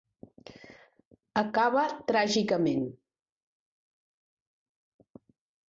Acaba tràgicament.